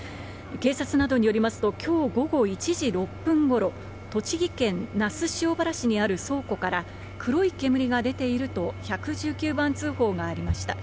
警察などによりますと、きょう午後１時６分ごろ、栃木県那須塩原市にある倉庫から、黒い煙が出ていると１１９番通報がありました。